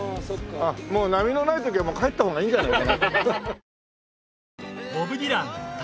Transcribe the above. ああもう波のない時は帰った方がいいんじゃない？